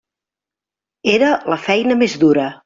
Era la feina més dura.